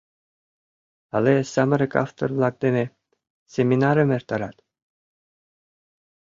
Але самырык автор-влак дене семинарым эртарат.